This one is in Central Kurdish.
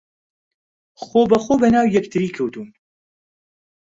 خۆبەخۆ بەناو یەکتری کەوتوون